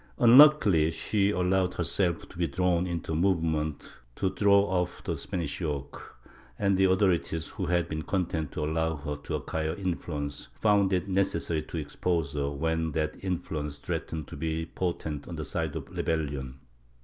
Unluckily she allowed herself to be drawn into a movement to throw off the Spanish yoke, and the authorities, who had been content to allow her to acquire influence, found it necessary to expose her, when that influence threatened to be potent on the side of rebellion.